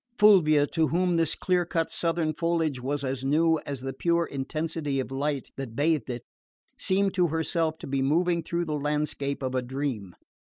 Fulvia, to whom this clear cut southern foliage was as new as the pure intensity of light that bathed it, seemed to herself to be moving through the landscape of a dream.